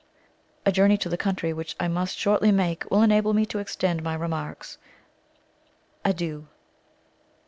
A journey to the country, which I must shortly make, will enable me to extend my remarks. Adieu!